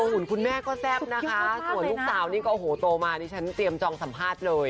หุ่นคุณแม่ก็แซ่บนะคะส่วนลูกสาวนี่ก็โอ้โหโตมานี่ฉันเตรียมจองสัมภาษณ์เลย